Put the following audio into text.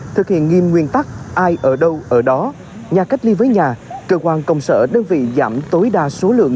thực hiện nghiêm nguyên tắc ai ở đâu ở đó nhà cách ly với nhà cơ quan công sở đơn vị giảm tối đa số lượng